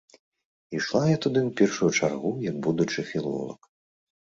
І ішла я туды ў першую чаргу як будучы філолаг.